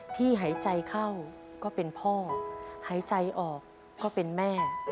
ที่หายใจเข้าก็เป็นพ่อหายใจออกก็เป็นแม่